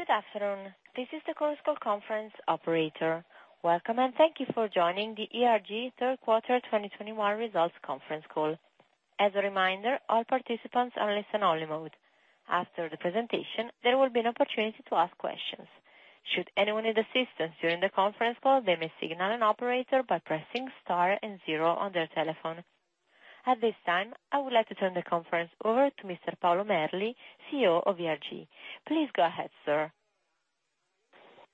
Good afternoon. This is the Chorus Call conference operator. Welcome, and thank you for joining the ERG third quarter 2021 results conference call. As a reminder, all participants are in listen only mode. After the presentation, there will be an opportunity to ask questions. Should anyone need assistance during the conference call, they may signal an operator by pressing star and zero on their telephone. At this time, I would like to turn the conference over to Mr. Paolo Merli, CEO of ERG. Please go ahead, sir.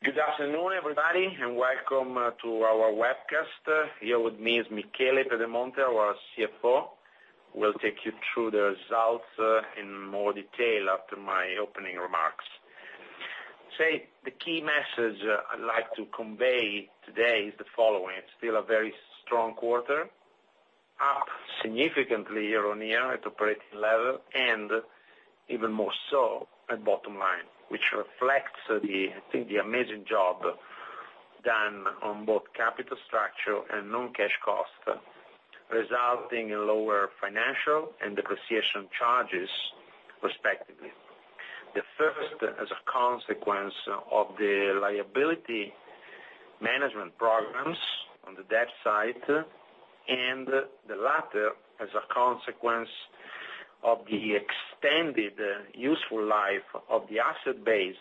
Good afternoon, everybody, and welcome to our webcast. Here with me is Michele Pedemonte, our CFO, who will take you through the results in more detail after my opening remarks. So, the key message I'd like to convey today is the following. Still a very strong quarter, up significantly year-on-year at operating level and even more so at bottom line, which reflects the, I think, amazing job done on both capital structure and non-cash costs, resulting in lower financial and depreciation charges, respectively. The first, as a consequence of the liability management programs on the debt side, and the latter as a consequence of the extended useful life of the asset base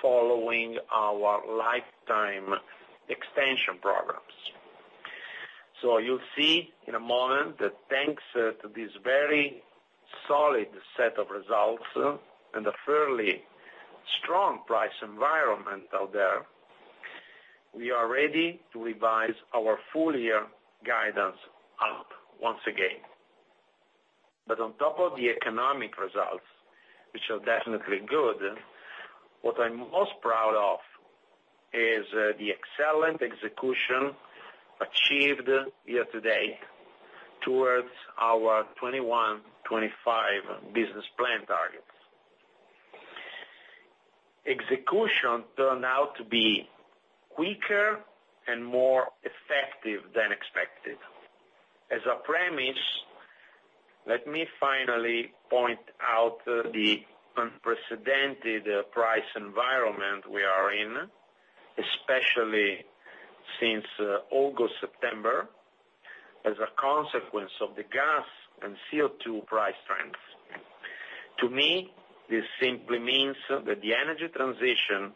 following our lifetime extension programs. You'll see in a moment that thanks to this very solid set of results and a fairly strong price environment out there, we are ready to revise our full year guidance up once again. On top of the economic results, which are definitely good, what I'm most proud of is the excellent execution achieved year-to-date towards our 2021-2025 business plan targets. Execution turned out to be quicker and more effective than expected. As a premise, let me finally point out the unprecedented price environment we are in, especially since August, September, as a consequence of the gas and CO2 price trends. To me, this simply means that the energy transition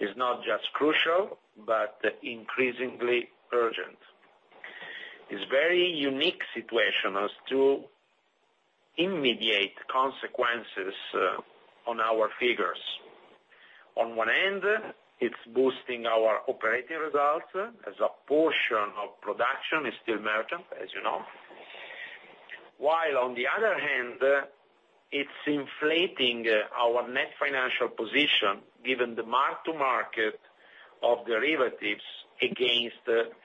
is not just crucial, but increasingly urgent. This very unique situation has two immediate consequences on our figures. On one end, it's boosting our operating results as a portion of production is still merchant, as you know. While on the other hand, it's inflating our net financial position, given the mark-to-market of derivatives against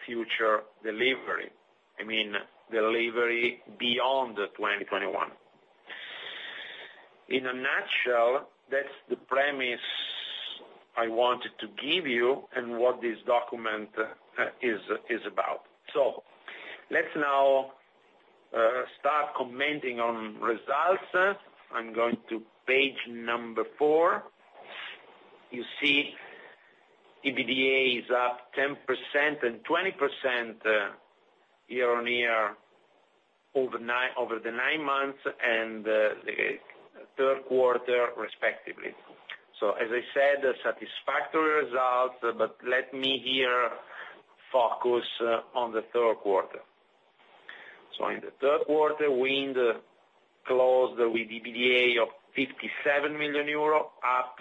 future delivery. I mean, delivery beyond 2021. In a nutshell, that's the premise I wanted to give you and what this document is about. Let's now start commenting on results. I'm going to page number four. You see EBITDA is up 10% and 20% year-over-year over the nine months and the third quarter respectively. As I said, a satisfactory result, but let me here focus on the third quarter. In the third quarter, wind closed with EBITDA of 57 million euro, up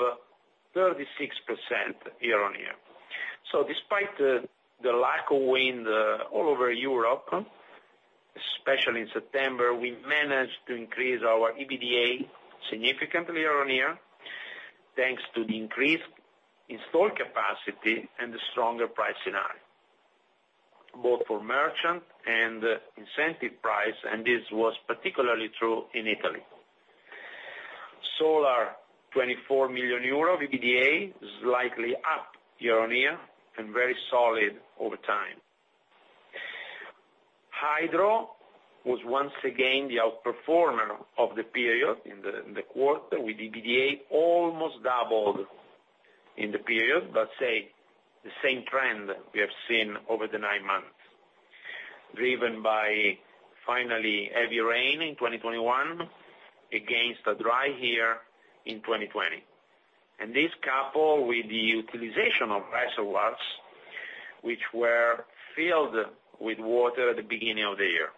36% year-over-year. Despite the lack of wind all over Europe, especially in September, we managed to increase our EBITDA significantly year-on-year, thanks to the increased installed capacity and the stronger price scenario, both for merchant and incentive price. This was particularly true in Italy. Solar, EUR 24 million EBITDA, slightly up year-on-year and very solid over time. Hydro was once again the outperformer of the period in the quarter, with EBITDA almost doubled in the period, but the same trend we have seen over the nine months, driven by finally heavy rain in 2021 against a dry year in 2020. This coupled with the utilization of reservoirs, which were filled with water at the beginning of the year.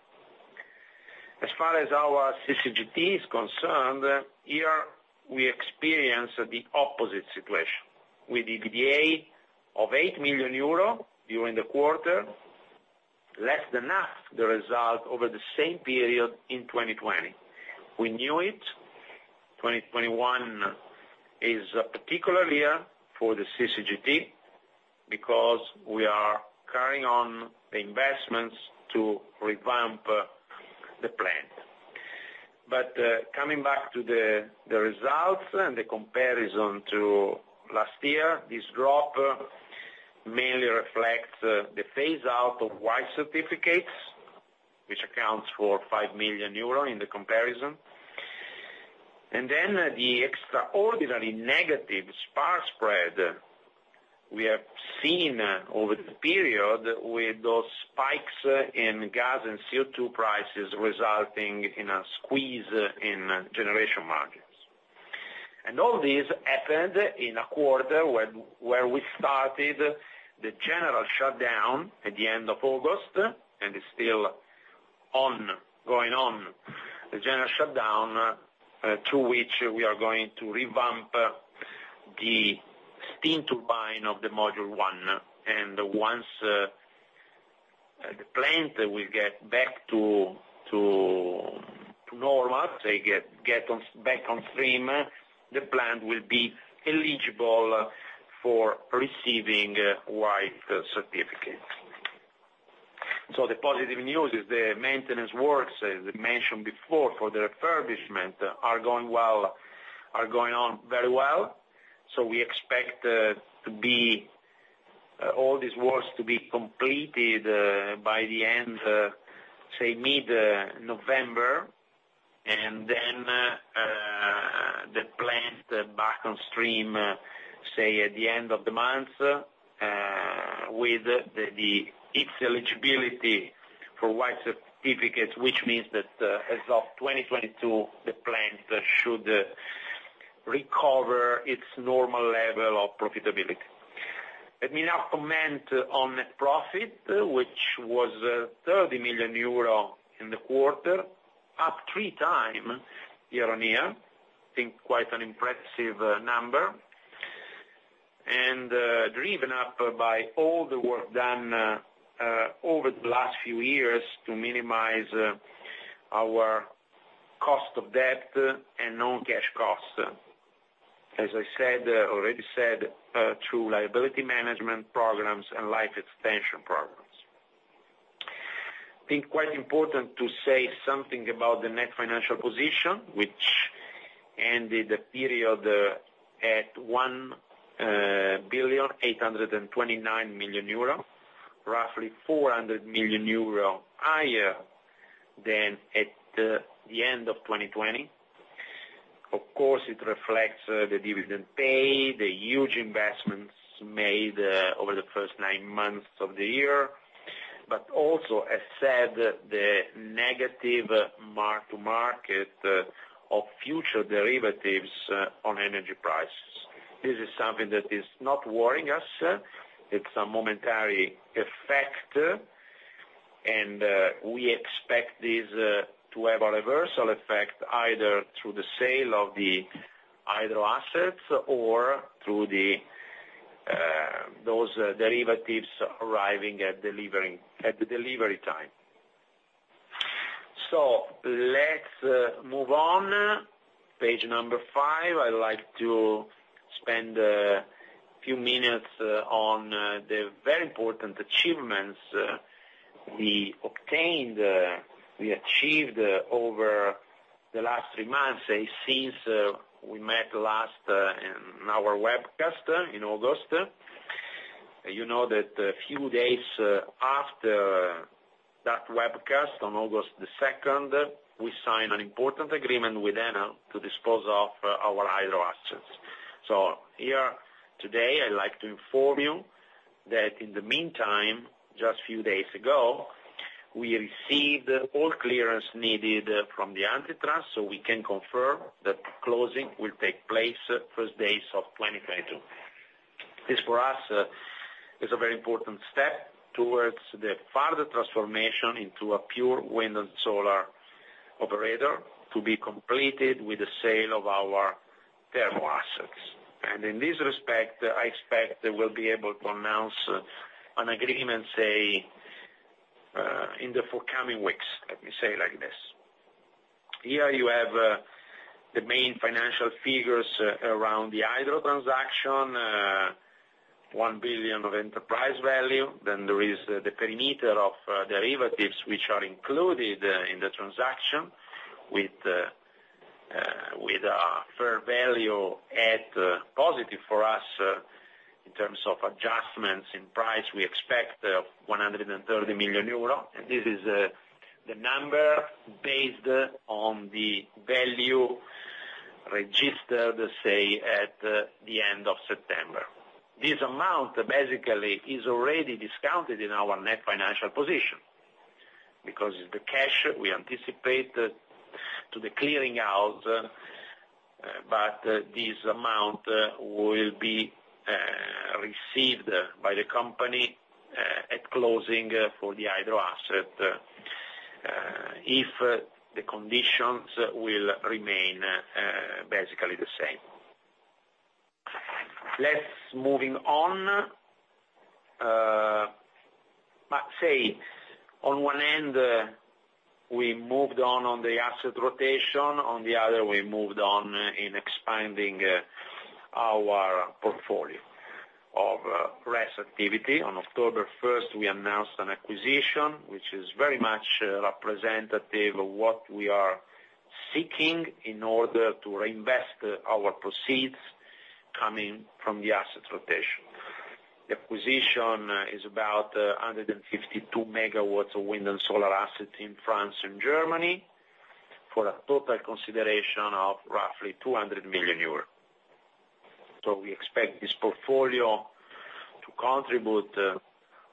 As far as our CCGT is concerned, here we experienced the opposite situation with EBITDA of 8 million euro during the quarter, less than half the result over the same period in 2020. We knew it. 2021 is a particular year for the CCGT because we are carrying on the investments to revamp the plant. Coming back to the results and the comparison to last year, this drop mainly reflects the phase out of White Certificates, which accounts for 5 million euros in the comparison. The extraordinary negative spark spread we have seen over the period with those spikes in gas and CO2 prices resulting in a squeeze in generation margins. All this happened in a quarter where we started the general shutdown at the end of August, and it's still ongoing. The general shutdown through which we are going to revamp the steam turbine of the Module 1. Once the plant will get back to normal, back on stream, the plant will be eligible for receiving White Certificates. The positive news is the maintenance works, as mentioned before, for the refurbishment are going on very well. We expect all these works to be completed by mid-November. Then the plant back on stream at the end of the month with its eligibility for White Certificates, which means that as of 2022, the plant should recover its normal level of profitability. Let me now comment on net profit, which was 30 million euro in the quarter, up three times year-on-year. I think quite an impressive number. Driven up by all the work done over the last few years to minimize our cost of debt and non-cash costs, as I said, through liability management programs and life extension programs. I think it's quite important to say something about the net financial position, which ended the period at 1,829,000,000 euro roughly 400 million euro higher than at the end of 2020. Of course, it reflects the dividend pay, the huge investments made over the first nine months of the year, but also, as said, the negative mark-to-market of future derivatives on energy prices. This is something that is not worrying us. It's a momentary effect, and we expect this to have a reversal effect either through the sale of the hydro assets or through those derivatives arriving at the delivery time. Let's move on. Page number five, I'd like to spend a few minutes on the very important achievements we achieved over the last three months, say, since we met last in our webcast in August. You know that a few days after that webcast on August 2nd, we signed an important agreement with Enel to dispose of our hydro assets. Here today, I'd like to inform you that in the meantime, just a few days ago, we received all clearance needed from the antitrust. We can confirm that closing will take place first days of 2022. This, for us, is a very important step towards the further transformation into a pure wind and solar operator to be completed with the sale of our thermal assets. In this respect, I expect that we'll be able to announce an agreement, say, in the forthcoming weeks, let me say like this. Here you have the main financial figures around the hydro transaction, 1 billion of enterprise value. Then there is the perimeter of derivatives which are included in the transaction with a fair value at positive for us in terms of adjustments in price, we expect 130 million euro. This is the number based on the value registered, say, at the end of September. This amount basically is already discounted in our net financial position because the cash we anticipate for the closing, but this amount will be received by the company at closing for the hydro asset, if the conditions will remain basically the same. Let's move on. On one end, we moved on the asset rotation. On the other, we moved on in expanding our portfolio of RES activity. On October first, we announced an acquisition which is very much representative of what we are seeking in order to reinvest our proceeds coming from the assets rotation. The acquisition is about 152 MW of wind and solar assets in France and Germany, for a total consideration of roughly 200 million euros. We expect this portfolio to contribute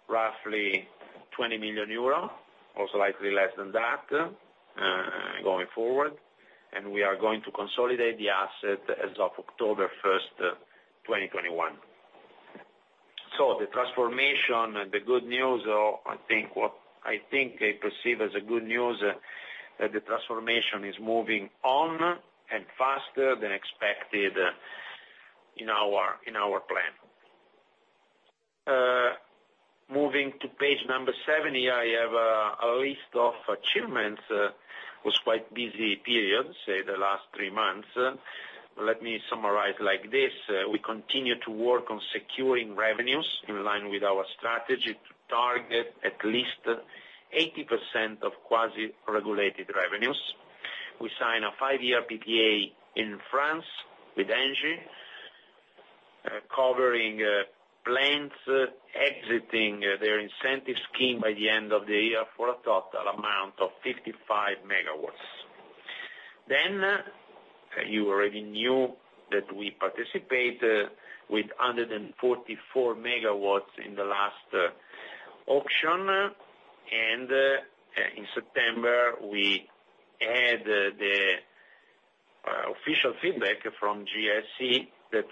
roughly 20 million euro, or slightly less than that, going forward. We are going to consolidate the asset as of October 1st, 2021. The transformation, the good news, or I think I perceive as good news, that the transformation is moving on, and faster than expected in our plan. Moving to page seven, here I have a list of achievements. It was a quite busy period, say, the last three months. Let me summarize like this. We continue to work on securing revenues in line with our strategy to target at least 80% of quasi-regulated revenues. We sign a five-year PPA in France with Engie, covering plants exiting their incentive scheme by the end of the year, for a total amount of 55 MW. You already knew that we participate with 144 MW in the last auction. In September, we had the official feedback from GSE that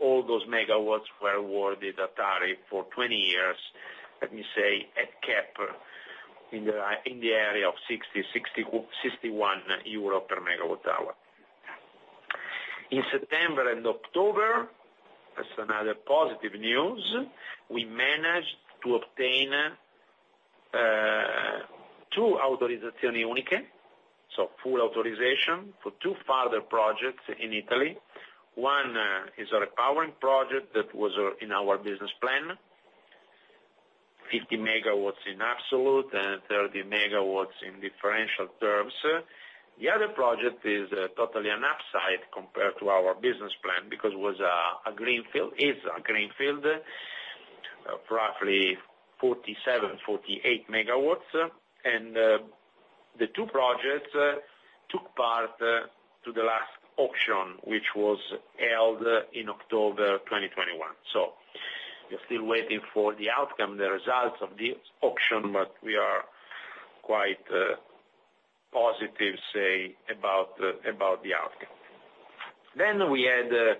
all those megawatts were awarded a tariff for 20 years, let me say at cap, in the area of 61 euro per MWh. In September and October, that's another positive news, we managed to obtain two Autorizzazioni Uniche, so full authorization, for two further projects in Italy. One is our repowering project that was in our business plan, 50 MW in absolute and 30 MW in differential terms. The other project is totally an upside compared to our business plan, because it is a greenfield of roughly 47 MW-48 MW. The two projects took part in the last auction, which was held in October 2021. We're still waiting for the outcome, the results of the auction, but we are quite positive, say, about the outcome. We had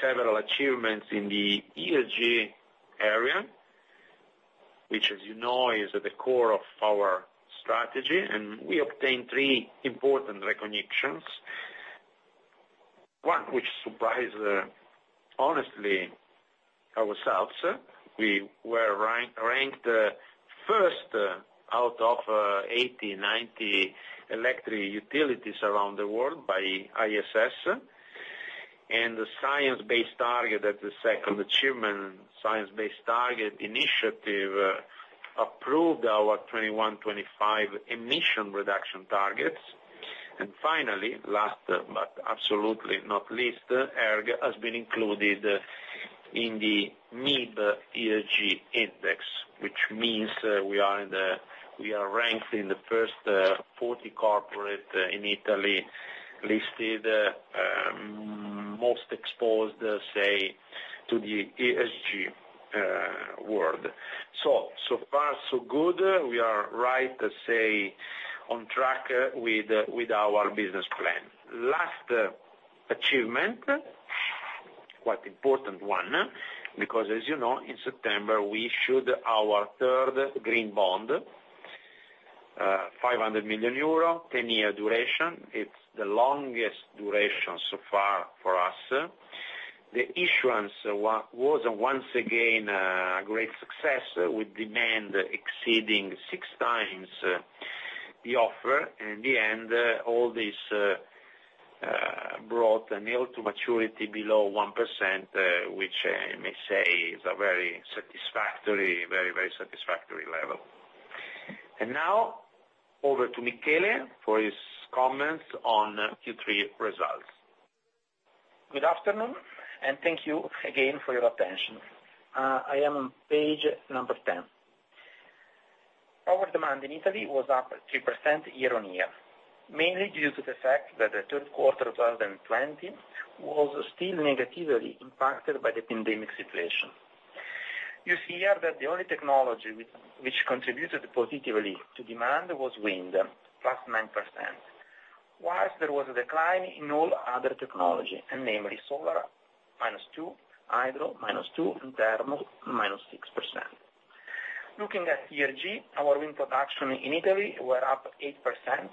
several achievements in the ESG area, which, as you know, is at the core of our strategy, and we obtained three important recognitions. One which surprised, honestly ourselves, we were ranked first out of 80-90 electric utilities around the world by ISS. The Science Based Target as the second achievement. Science Based Targets initiative approved our 2021-2025 emission reduction targets. Finally, last but absolutely not least, ERG has been included in the MIB ESG Index, which means we are ranked in the first 40 corporate in Italy, listed, most exposed, say, to the ESG world. So far so good. We are right to say on track with our business plan. Last achievement, quite important one, because as you know, in September we issued our third green bond, 500 million euro, 10-year duration. It's the longest duration so far for us. The issuance was once again a great success, with demand exceeding six times the offer. In the end, all this brought a yield to maturity below 1%, which I may say is a very satisfactory, very, very satisfactory level. Now over to Michele for his comments on Q3 results. Good afternoon, and thank you again for your attention. I am on page 10. Our demand in Italy was up 3% year-over-year, mainly due to the fact that the third quarter 2020 was still negatively impacted by the pandemic situation. You see here that the only technology which contributed positively to demand was wind, +9%. While there was a decline in all other technology, and namely solar, -2%, hydro, -2%, and thermal, -6%. Looking at ERG, our wind production in Italy were up 8%,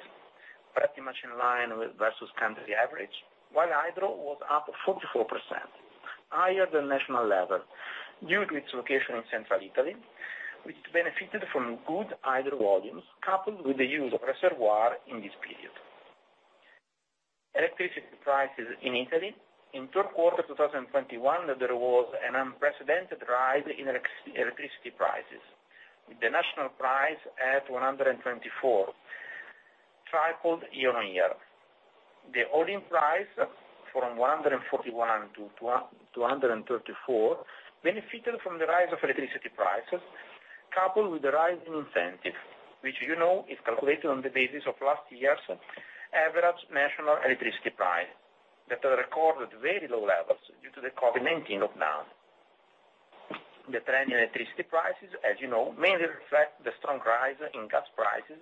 pretty much in line with versus country average. While hydro was up 44%, higher than national level, due to its location in central Italy, which benefited from good hydro volumes coupled with the use of reservoir in this period. Electricity prices in Italy. In third quarter 2021, there was an unprecedented rise in electricity prices, with the national price at 124, tripled year-on-year. The holding price from 141 to 234 benefited from the rise of electricity prices, coupled with the rise in incentive, which you know is calculated on the basis of last year's average national electricity price, that are recorded very low levels due to the COVID-19 lockdown. The trend in electricity prices, as you know, mainly reflect the strong rise in gas prices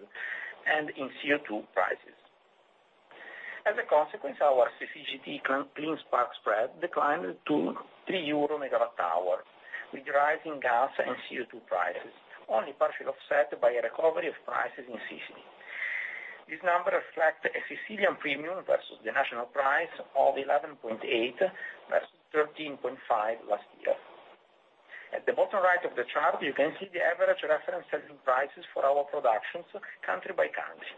and in CO2 prices. As a consequence, our CCGT Clean Spark Spread declined to 3 euro/MWh, with rising gas and CO2 prices, only partially offset by a recovery of prices in Sicily. This number reflects a Sicilian premium versus the national price of 11.8 versus 13.5 last year. At the bottom right of the chart, you can see the average reference selling prices for our productions country by country.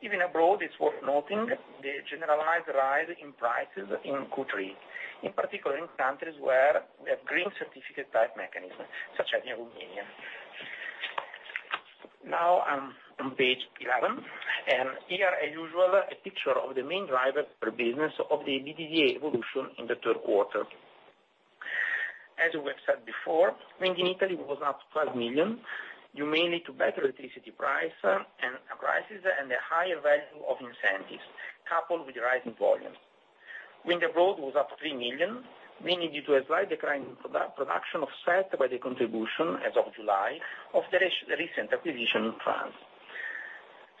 Even abroad, it's worth noting the generalized rise in prices in Q3, in particular in countries where we have Green Certificate type mechanism, such as in Romania. Now I'm on page 11, and here as usual, a picture of the main driver per business of the EBITDA evolution in the third quarter. As we have said before, wind in Italy was up 12 million, mainly due to better electricity prices and a higher value of incentives, coupled with rising volumes. Wind abroad was up EUR 3 million, mainly due to a slight decline in production offset by the contribution as of July of the recent acquisition in France.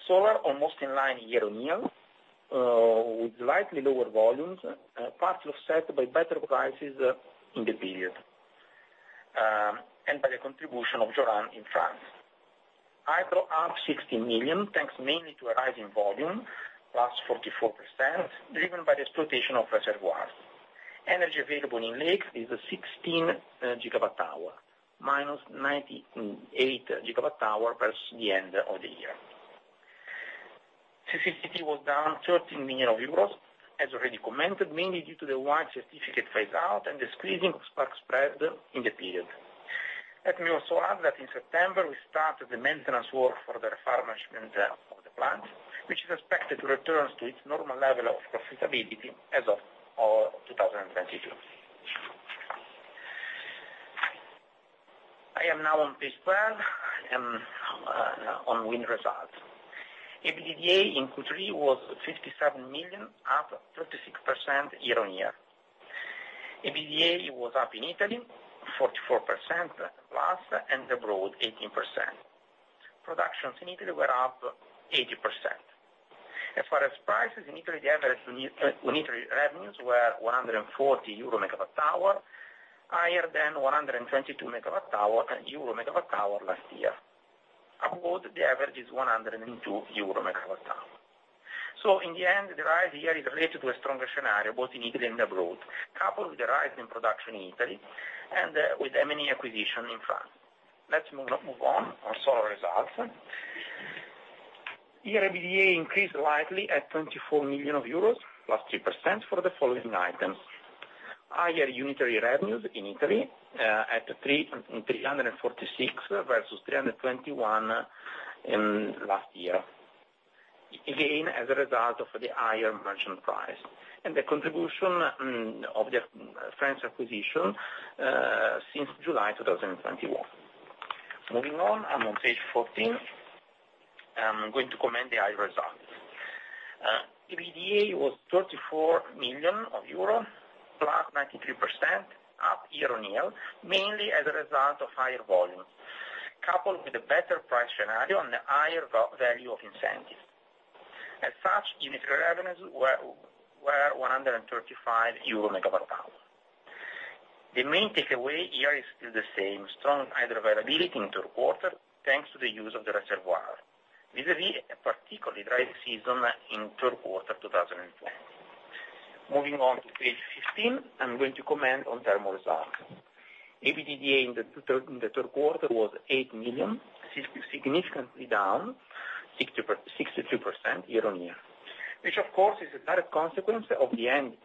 Solar almost in line year-on-year with slightly lower volumes, partially offset by better prices in the period and by the contribution of Joron in France. Hydro up 60 million, thanks mainly to a rise in volume, +44%, driven by the exploitation of reservoirs. Energy available in lakes is 16 GWh, -98 GWh versus the end of the year. CCGT was down 13 million euros, as already commented, mainly due to the white certificate phase out and the squeezing of spark spread in the period. Let me also add that in September we started the maintenance work for the refurbishment of the plant, which is expected to return to its normal level of profitability as of 2022. I am now on page 12 on wind results. EBITDA in Q3 was 57 million, up 36% year-on-year. EBITDA was up in Italy 44%+, and abroad 18%. Production in Italy was up 80%. As far as prices, in Italy the average unitary revenues were 140 euro/MWh, higher than 122 euro/MWh last year. Abroad, the average is 102 euro/MWh. In the end, the rise here is related to a stronger scenario, both in Italy and abroad, coupled with the rise in production in Italy and with M&A acquisition in France. Let's move on to solar results. Here, EBITDA increased slightly at 24 million euros, +3% for the following items. Higher unitary revenues in Italy at 346 versus 321 last year. Again, as a result of the higher merchant price and the contribution of the France acquisition since July 2021. Moving on, I'm on page 14. I'm going to comment on the hydro results. EBITDA was EUR 34 million, +93% up year-on-year, mainly as a result of higher volume, coupled with a better price scenario and the higher value of incentives. As such, unitary revenues were 135 euro/MWh. The main takeaway here is still the same, strong hydro availability in third quarter, thanks to the use of the reservoir. Vis-à-vis a particularly dry season in third quarter 2020. Moving on to page 15, I'm going to comment on thermal results. EBITDA in the third quarter was 8 million, significantly down 62% year-on-year. Which of course is a direct consequence of the ending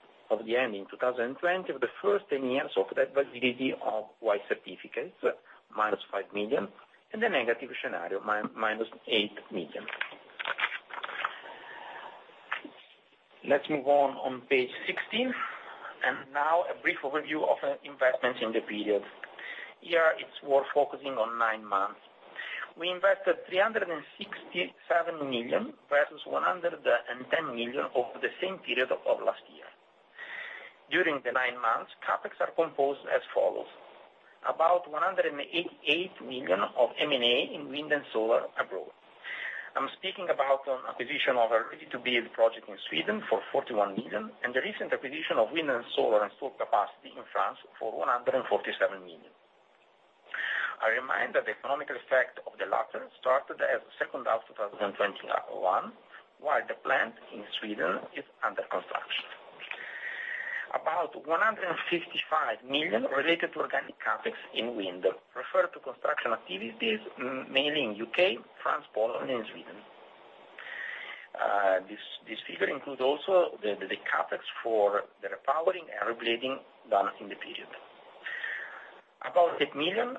in 2020 of the first 10 years of the validity of White Certificates, -5 million, and a negative scenario, -8 million. Let's move on to page 16, now a brief overview of investments in the period. Here, it's worth focusing on nine months. We invested 367 million versus 110 million over the same period of last year. During the nine months, CapEx are composed as follows. About 188 million of M&A in wind and solar abroad. I'm speaking about an acquisition of a ready-to-build project in Sweden for 41 million, and the recent acquisition of wind and solar capacity in France for 147 million. I remind that the economic effect of the latter started in the second half of 2021, while the plant in Sweden is under construction. About 155 million related to organic CapEx in wind refer to construction activities, mainly in U.K., France, Poland, and Sweden. This figure includes also the CapEx for the repowering and reblading done in the period. About 8 million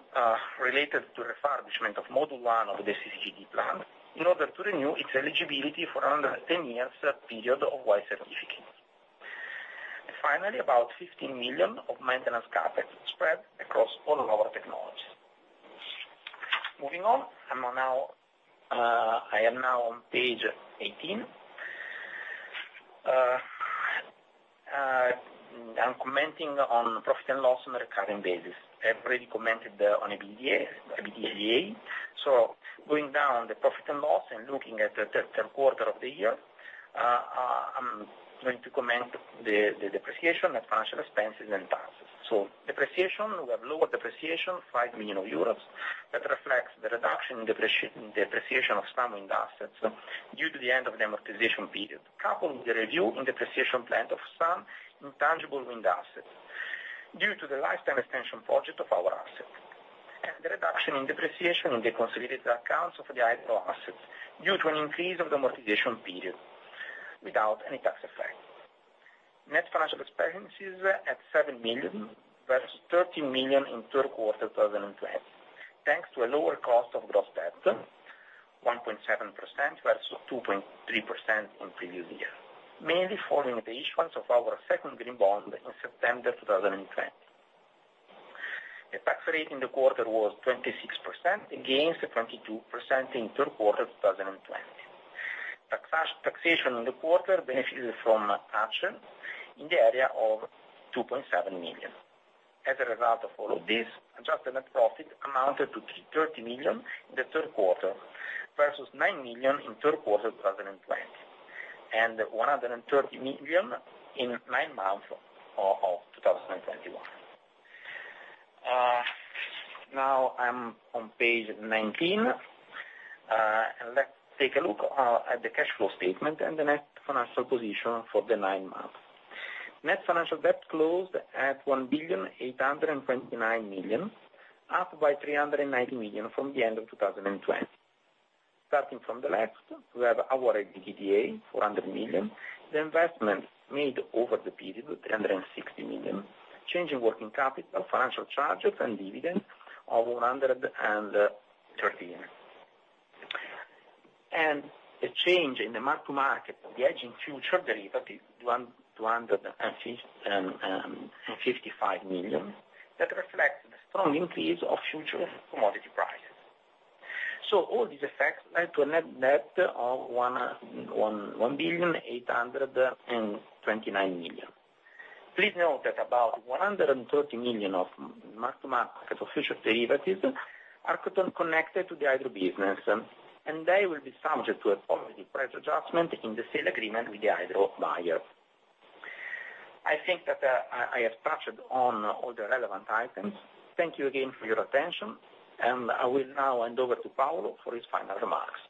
related to refurbishment of Module 1 of the CCGT plant, in order to renew its eligibility for another 10-year period of White Certificates. Finally, about 15 million of maintenance CapEx spread across all of our technologies. Moving on, I'm now on page 18. I'm commenting on profit and loss on a recurring basis. I've already commented on EBITDA. Going down the profit and loss and looking at the third quarter of the year, I'm going to comment on the depreciation, financial expenses and taxes. Depreciation, we have lower depreciation, 5 million euros, that reflects the reduction in depreciation of some wind assets due to the end of the amortization period, coupled with the review and depreciation plan of some intangible wind assets due to the lifetime extension project of our asset. The reduction in depreciation in the consolidated accounts of the hydro assets due to an increase of the amortization period without any tax effect. Net financial expenses at 7 million, versus 13 million in third quarter 2020, thanks to a lower cost of gross debt, 1.7% versus 2.3% in previous year, mainly following the issuance of our second green bond in September 2020. The tax rate in the quarter was 26%, against the 22% in third quarter 2020. Taxation in the quarter benefited from tax credit in the area of 2.7 million. As a result of all of this, adjusted net profit amounted to 330 million in the third quarter, versus 9 million in third quarter 2020, and 130 million in nine months of 2021. Now I'm on page 19. Let's take a look at the cash flow statement and the net financial position for the nine months. Net financial debt closed at 1,829,000,000, up by 390 million from the end of 2020. Starting from the left, we have our EBITDA, 400 million. The investments made over the period, 360 million. Change in working capital, financial charges, and dividends of 113 million. A change in the mark-to-market of the hedging future derivative, 255 million, that reflects the strong increase of future commodity prices. All these effects led to a net debt of 1,829,000,000. Please note that about 130 million of mark-to-market of future derivatives are connected to the hydro business, and they will be subject to a positive price adjustment in the sale agreement with the hydro buyer. I think that I have touched on all the relevant items. Thank you again for your attention, and I will now hand over to Paolo for his final remarks.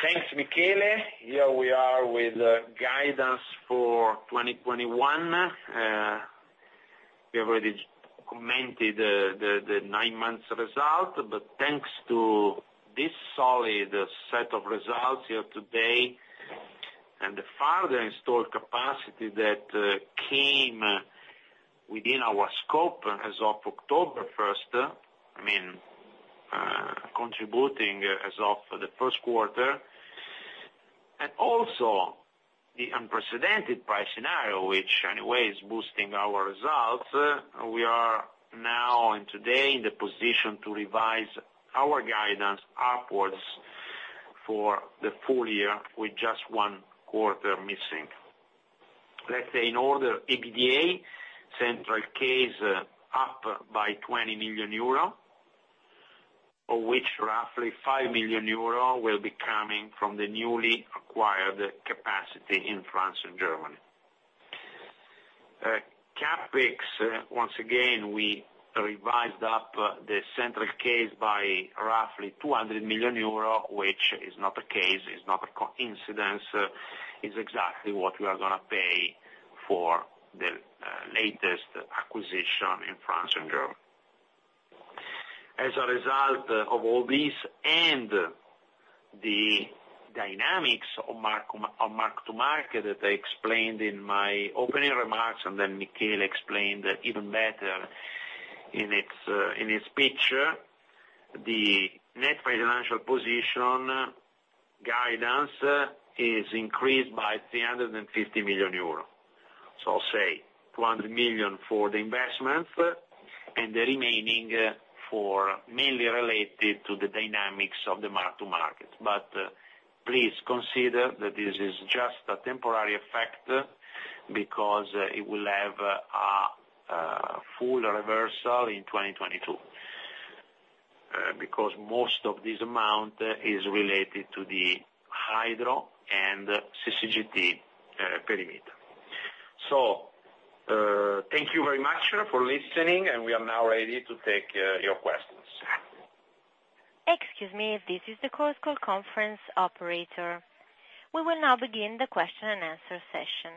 Thanks, Michele. Here we are with the guidance for 2021. We have already commented the nine months result. Thanks to this solid set of results here today, and the further installed capacity that came within our scope as of October 1st, I mean, contributing as of the first quarter, and also the unprecedented price scenario, which anyway is boosting our results, we are now and today in the position to revise our guidance upwards for the full year with just one quarter missing. Let's say in terms of EBITDA, central case up by 20 million euro, of which roughly 5 million euro will be coming from the newly acquired capacity in France and Germany. CapEx, once again, we revised up the central case by roughly 200 million euro, which is not the case, it's not a coincidence, it's exactly what we are gonna pay for the latest acquisition in France and Germany. As a result of all this and the dynamics of mark-to-market that I explained in my opening remarks, and then Michele explained even better in his speech, the net financial position guidance is increased by 350 million euros. I'll say 200 million for the investments, and the remaining for mainly related to the dynamics of the mark-to-market. Please consider that this is just a temporary effect because it will have a full reversal in 2022, because most of this amount is related to the hydro and CCGT perimeter. Thank you very much for listening, and we are now ready to take your questions. Excuse me. This is the Chorus Call conference operator. We will now begin the question and answer session.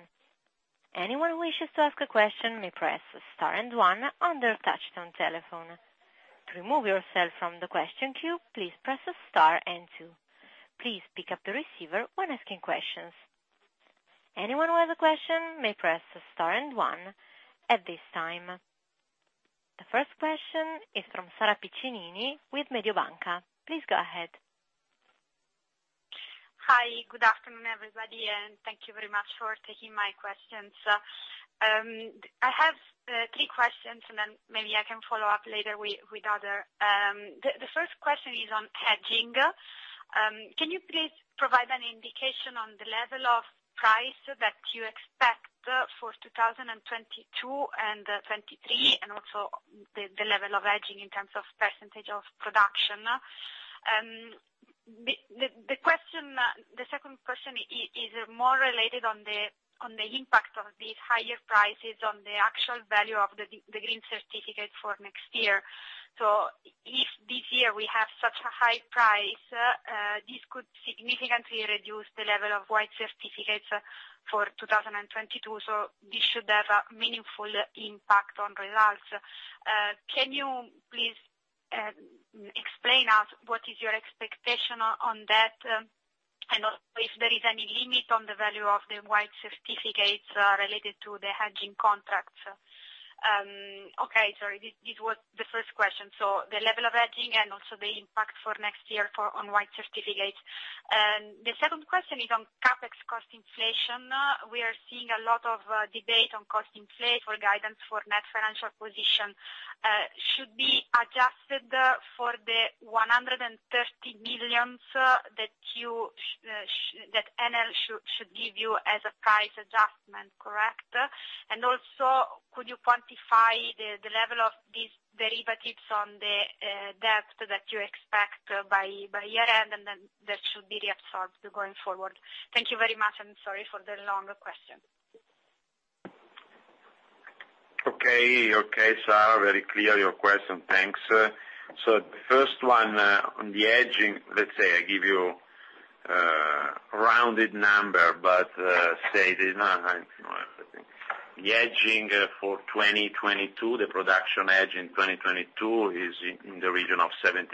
Anyone who wishes to ask a question may press star and one on their touchtone telephone. To remove yourself from the question queue, please press star and two. Please pick up the receiver when asking questions. Anyone who has a question may press star and one at this time. The first question is from Sara Piccinini with Mediobanca. Please go ahead. Hi, good afternoon, everybody, and thank you very much for taking my questions. I have three questions, and then maybe I can follow up later with other. The first question is on hedging. Can you please provide an indication on the level of price that you expect for 2022 and 2023, and also the level of hedging in terms of percentage of production? The second question is more related on the impact of these higher prices on the actual value of the Green Certificate for next year. If this year we have such a high price, this could significantly reduce the level of White Certificates for 2022, so this should have a meaningful impact on results. Can you please explain us what is your expectation on that, and also if there is any limit on the value of the White Certificates related to the hedging contracts? Sorry. This was the first question, so the level of hedging and also the impact for next year on White Certificates. The second question is on CapEx cost inflation. We are seeing a lot of debate on cost inflation and guidance for net financial position. Should be adjusted for the 130 million that Enel should give you as a price adjustment, correct? Could you quantify the level of these derivatives on the debt that you expect by year-end, and then that should be reabsorbed going forward? Thank you very much, and sorry for the long question. Okay, Sara. Very clear, your question. Thanks. The first one, on the hedging, let's say I give you a rounded number, but the production hedge in 2022 is in the region of 75%.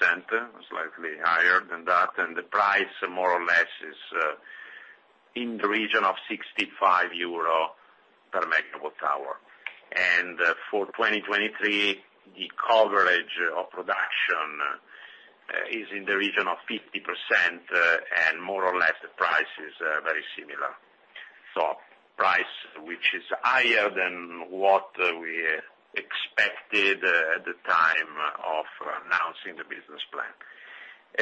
Slightly higher than that. The price more or less is in the region of 65 euro per MWh. For 2023, the coverage of production is in the region of 50%, and more or less the price is very similar, price which is higher than what we expected at the time of announcing the business plan.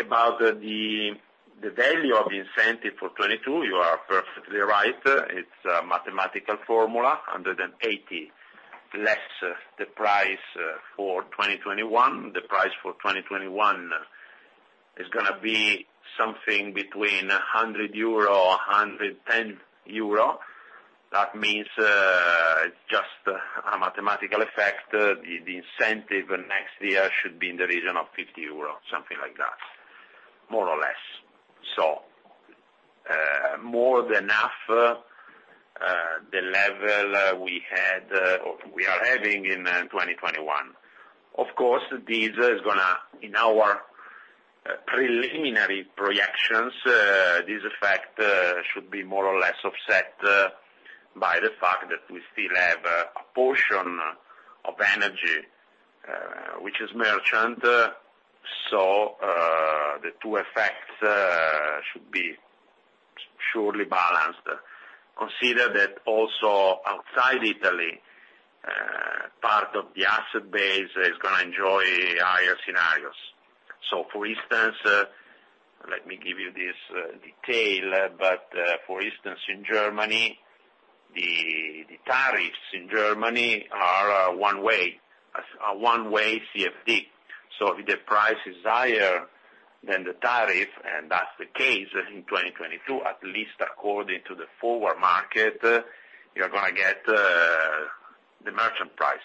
About the value of incentive for 2022, you are perfectly right. It's a mathematical formula, 180 less the price for 2021. The price for 2021 is gonna be something between 100-110 euro. That means, just a mathematical effect, the incentive next year should be in the region of 50 euros, something like that, more or less. More than half the level we had, or we are having in 2021. Of course, this is gonna. In our preliminary projections, this effect should be more or less offset by the fact that we still have a portion of energy which is merchant, so the two effects should be surely balanced. Consider that also outside Italy, part of the asset base is gonna enjoy higher scenarios. For instance, let me give you this detail. For instance, in Germany, the tariffs in Germany are one-way, a one-way CFD, so if the price is higher than the tariff, and that's the case in 2022, at least according to the forward market, you're gonna get the merchant price.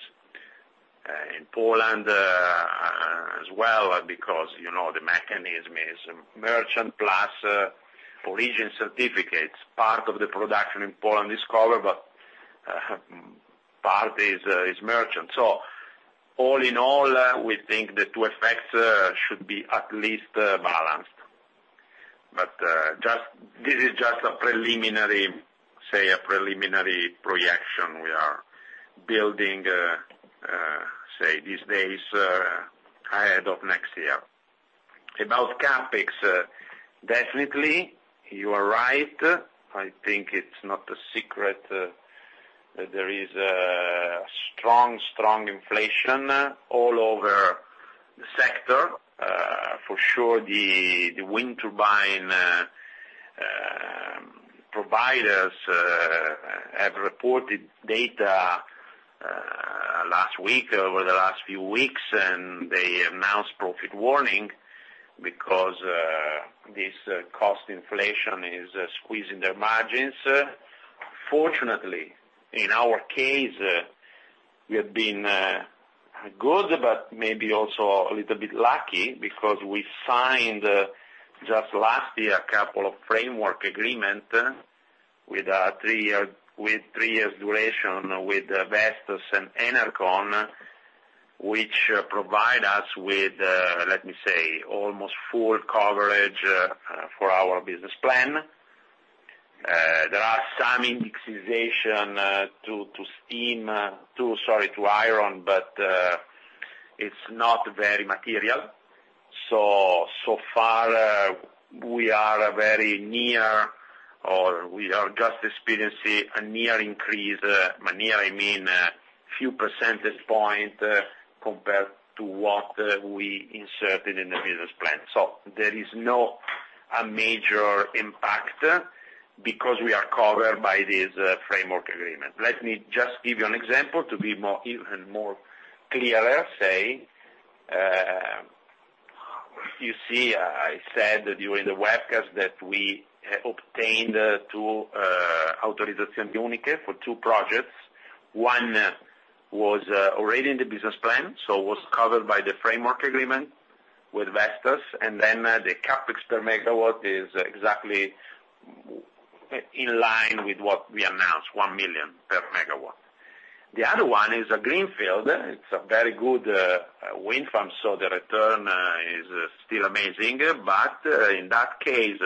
In Poland, as well, because, you know, the mechanism is merchant plus origin certificates. Part of the production in Poland is covered, but part is merchant. So all in all, we think the two effects should be at least balanced. Just, this is just a preliminary projection we are building, say these days, ahead of next year. About CapEx, definitely you are right. I think it's not a secret that there is a strong inflation all over the sector. For sure, the wind turbine providers have reported data last week, over the last few weeks, and they announced profit warning because this cost inflation is squeezing their margins. Fortunately, in our case, we have been good, but maybe also a little bit lucky because we signed just last year a couple of framework agreement with three years duration with Vestas and Enercon, which provide us with, let me say, almost full coverage for our business plan. There are some indexation to iron, but it's not very material. So far, we are very near or we are just experiencing a near increase. By near, I mean a few percentage point compared to what we inserted in the business plan. There is no major impact because we are covered by this framework agreement. Let me just give you an example to be even more clear. I said during the webcast that we obtained two Autorizzazioni Uniche for two projects. One was already in the business plan, was covered by the framework agreement with Vestas, and then the CapEx per megawatt is exactly in line with what we announced, 1 million per megawatt. The other one is a greenfield. It is a very good wind farm, the return is still amazing. In that case,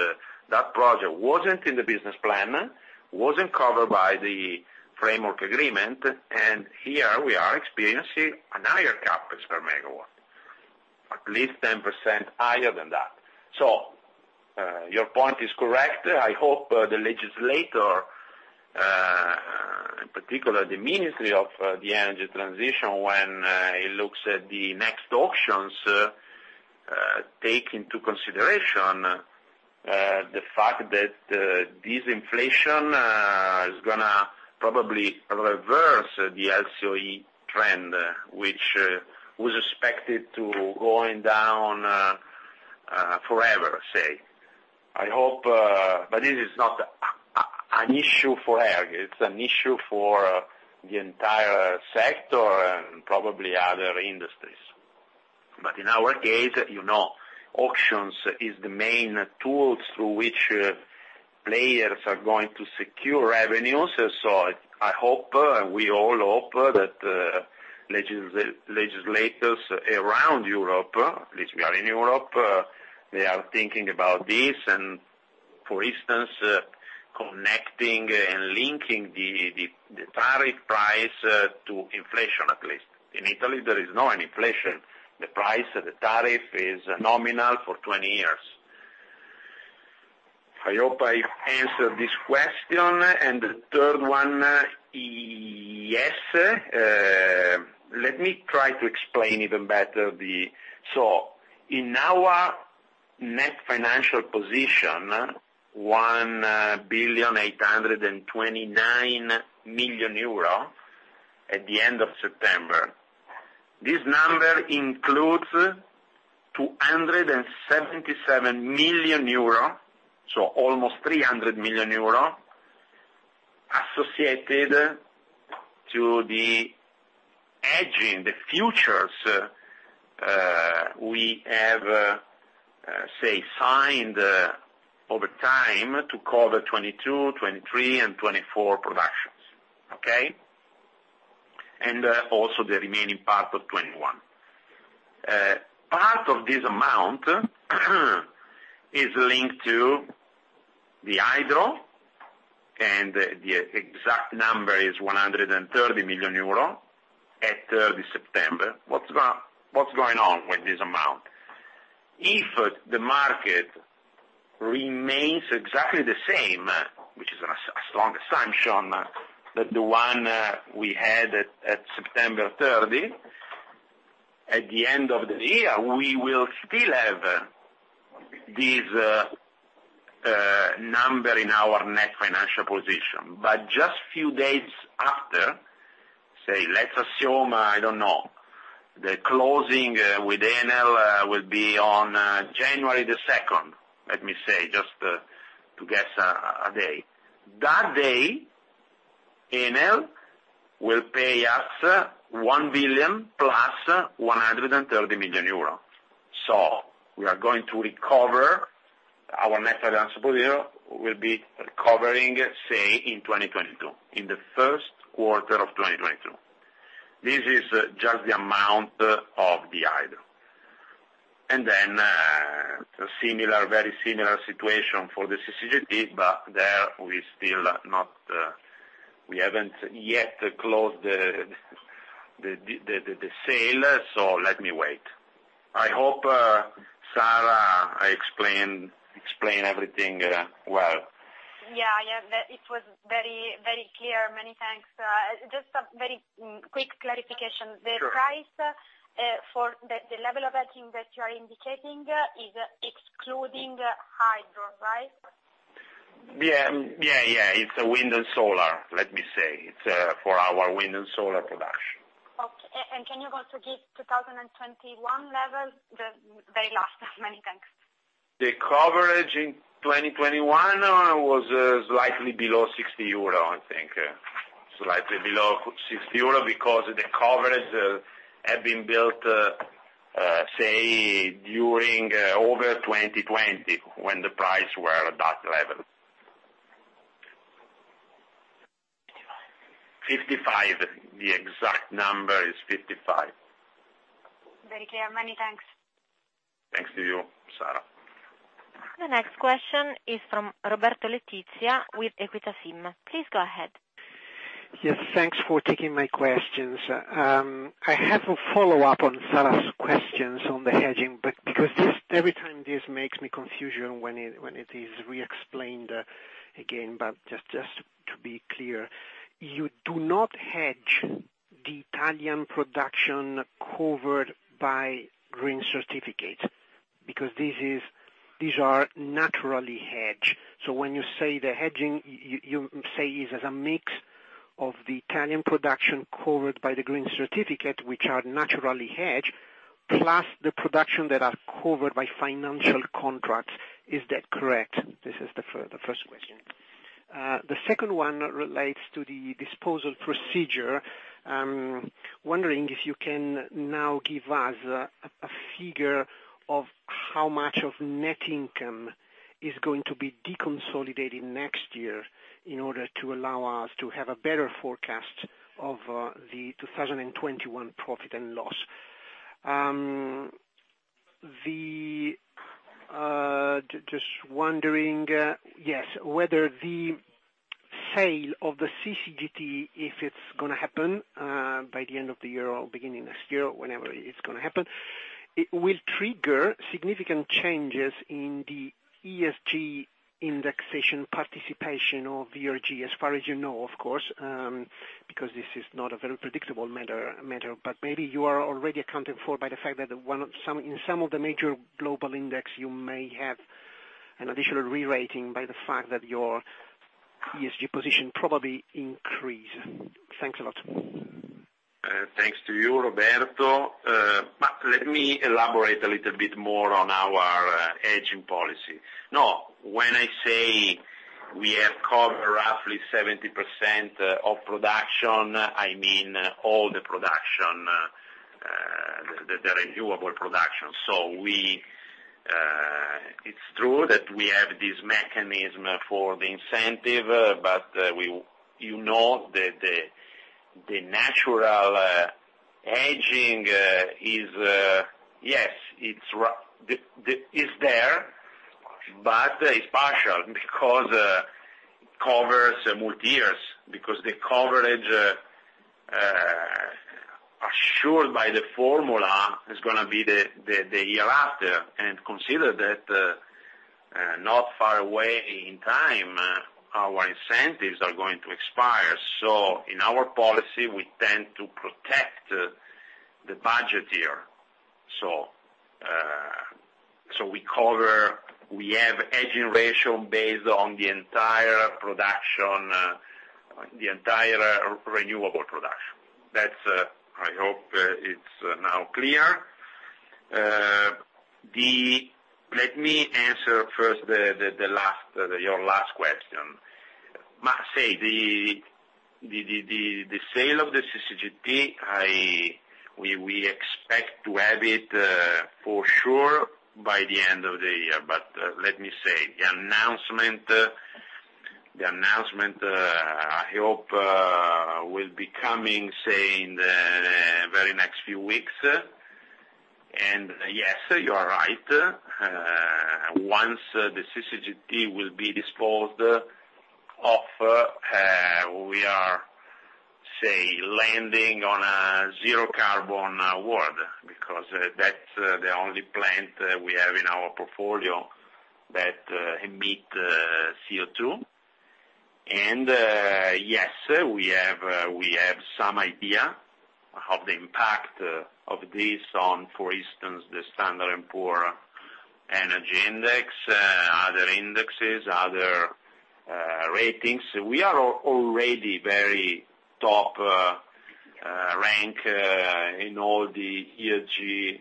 that project was not in the business plan, was not covered by the framework agreement, and here we are experiencing a higher CapEx per megawatt, at least 10% higher than that. Your point is correct. I hope the legislator, in particular the Ministry of Ecological Transition, when it looks at the next auctions, take into consideration the fact that this inflation is gonna probably reverse the LCOE trend, which was expected to going down forever, say. I hope. This is not an issue for ERG, it's an issue for the entire sector and probably other industries. In our case, you know, auctions is the main tool through which players are going to secure revenues. I hope, we all hope that legislators around Europe, at least we are in Europe, they are thinking about this and, for instance, connecting and linking the tariff price to inflation, at least. In Italy, there is no inflation. The price, the tariff is nominal for 20 years. I hope I answered this question. The third one, yes, let me try to explain even better. In our net financial position, 1,829,000,000 euro at the end of September, this number includes 277 million euro, so almost 300 million euro, associated to the hedging, the futures we have signed over time to cover 2022, 2023 and 2024 productions. Okay? Also the remaining part of 2021. Part of this amount is linked to the hydro, and the exact number is 130 million euro at September. What's going on with this amount? If the market remains exactly the same, which is a strong assumption than the one we had at September 30, at the end of the year, we will still have this number in our net financial position. Just few days after, say, let's assume, I don't know, the closing with Enel will be on January 2nd, let me say, just to guess a day. That day, Enel will pay us 1 billion plus 130 million euros. We are going to recover our net financial position will be recovering, say, in 2022, in the first quarter of 2022. This is just the amount of the hydro. Then, similar, very similar situation for the CCGT, but there we haven't yet closed the sale, so let me wait. I hope, Sara, I explained everything well. Yeah. Yeah. It was very, very clear. Many thanks. Just a very quick clarification. Sure. The price for the level of hedging that you are indicating is excluding hydro, right? Yeah. It's wind and solar, let me say. It's for our wind and solar production. Okay. Can you also give 2021 level? The very last. Many thanks. The coverage in 2021 was slightly below 60 euro, I think. Slightly below 60 euro because the coverage had been built, say during over 2020, when the prices were at that level. 55. The exact number is 55. Very clear. Many thanks. Thanks to you, Sara. The next question is from Roberto Letizia with EQUITA SIM. Please go ahead. Yes, thanks for taking my questions. I have a follow-up on Sara's questions on the hedging, because every time this makes me confusion when it is re-explained, again, just to be clear, you do not hedge the Italian production covered by Green Certificates because these are naturally hedged. When you say the hedging, you say is as a mix of the Italian production covered by the Green Certificate, which are naturally hedged, plus the production that are covered by financial contracts. Is that correct? This is the first question. The second one relates to the disposal procedure. Wondering if you can now give us a figure of how much of net income is going to be deconsolidated next year in order to allow us to have a better forecast of the 2021 profit and loss. Just wondering, yes, whether the sale of the CCGT, if it's gonna happen, by the end of the year or beginning of next year, whenever it's gonna happen, it will trigger significant changes in the ESG inclusion participation of ERG, as far as you know, of course, because this is not a very predictable matter. But maybe you have already accounted for the fact that in some of the major global indices, you may have an additional re-rating by the fact that your ESG position probably increase. Thanks a lot. Thanks to you, Roberto. But let me elaborate a little bit more on our hedging policy. No, when I say we have covered roughly 70% of production, I mean all the production, the renewable production. It's true that we have this mechanism for the incentive, but you know, the natural hedging is there, but it's partial because it covers multi years, because the coverage assured by the formula is gonna be the year after. Consider that not far away in time our incentives are going to expire. In our policy, we tend to protect the budget year. We cover, we have hedging ratio based on the entire production, the entire renewable production. I hope it's now clear. Let me answer first your last question. The sale of the CCGT, we expect to have it for sure by the end of the year. Let me say, the announcement I hope will be coming, say, in the very next few weeks. Yes, you are right. Once the CCGT will be disposed of, we are, say, landing on a zero carbon world, because that's the only plant we have in our portfolio that emit CO2. Yes, we have some idea of the impact of this on, for instance, the Standard & Poor Energy index, other indexes, other ratings. We are already very top ranked in all the ESG.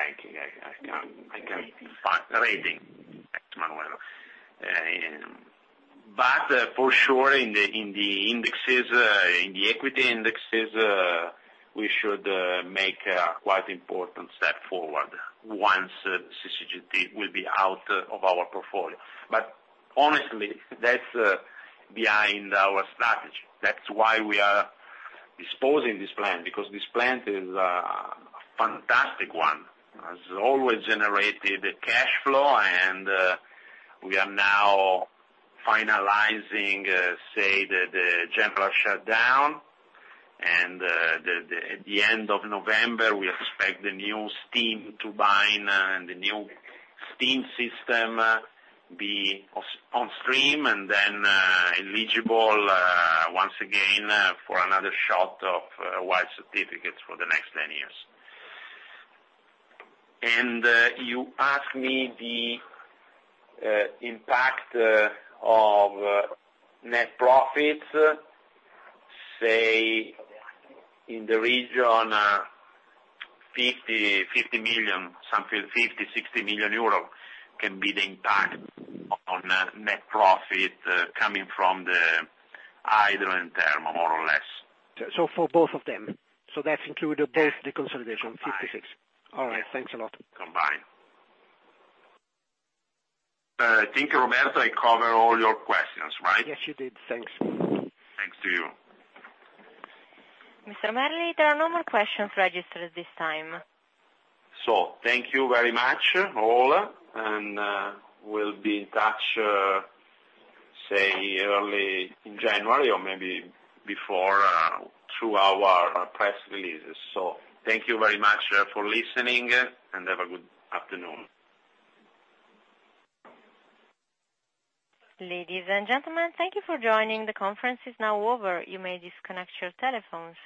I can't. Rating. Thanks, Michele. For sure in the indexes, in the equity indexes, we should make a quite important step forward once CCGT will be out of our portfolio. Honestly, that's behind our strategy. That's why we are disposing this plant, because this plant is a fantastic one. It's always generated cash flow, and we are now finalizing the general shutdown. At the end of November, we expect the new steam turbine and the new steam system be on stream and then eligible once again for another shot of White Certificates for the next 10 years. You asked me the impact on net profits, say, in the region of 50 million-60 million euros can be the impact on net profit coming from the hydro and thermal, more or less. For both of them. That's included both deconsolidation, 50 million-60 million. Combined. All right. Thanks a lot. Combined. I think, Roberto, I covered all your questions, right? Yes, you did. Thanks. Thanks to you. Mr. Merli, there are no more questions registered at this time. Thank you very much, all, and we'll be in touch, say, early in January or maybe before, through our press releases. Thank you very much for listening, and have a good afternoon. Ladies and gentlemen, thank you for joining. The conference is now over. You may disconnect your telephones.